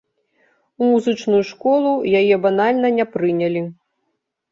У музычную школу яе банальна не прынялі.